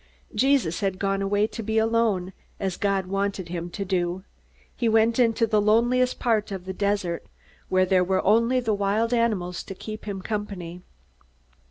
Jesus had gone away to be alone, as God wanted him to do. He went into the loneliest part of the desert, where there were only the wild animals to keep him company.